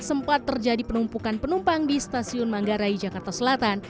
sempat terjadi penumpukan penumpang di stasiun manggarai jakarta selatan